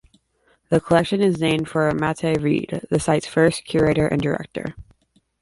The collection is named for Mattye Reed, the site's first curator and director.